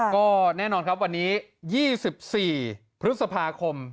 ก็แน่นอนครับวันนี้๒๔พฤษภาคม